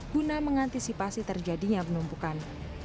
guna mengantisipasi terjadinya penumpukan